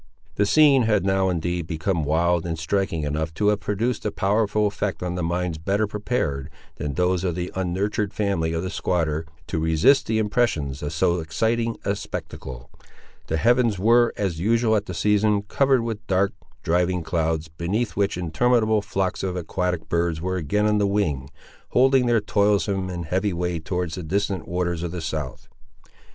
The scene had now, indeed, become wild and striking enough to have produced a powerful effect on minds better prepared, than those of the unnurtured family of the squatter, to resist the impressions of so exciting a spectacle. The heavens were, as usual at the season, covered with dark, driving clouds, beneath which interminable flocks of aquatic birds were again on the wing, holding their toilsome and heavy way towards the distant waters of the south.